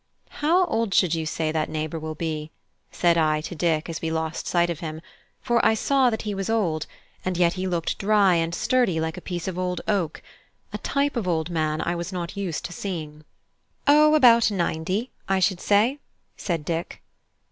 "How old should you say that neighbour will be?" said I to Dick as we lost sight of him; for I saw that he was old, and yet he looked dry and sturdy like a piece of old oak; a type of old man I was not used to seeing. "O, about ninety, I should say," said Dick.